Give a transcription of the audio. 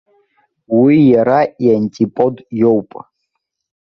Уи иара иантипод иоуп.